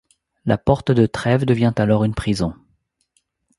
La porte de Trèves devient alors une prison.